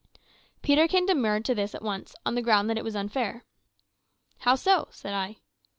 Peterkin demurred to this at once, on the ground that it was unfair. "How so?" said I.